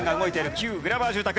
旧グラバー住宅。